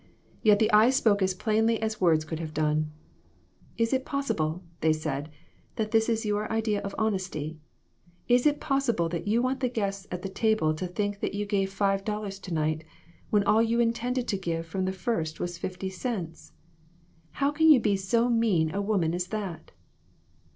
Yet the eyes spoke as plainly as words could have done. " Is it possible," they said, "that this is your idea of honesty? Is it possible that you want the guests at the table to think that you gave five dollars to night, when all you intended to give from the first was fifty cents ? Can you be so mean a woman as that?"